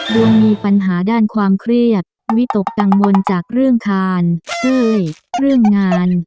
ดวงมีปัญหาด้านความเครียดวิตกกังวลจากเรื่องคานเอ้ยเรื่องงาน